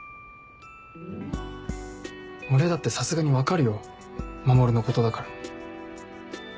俺だってさすがに分かるよ守のことだから。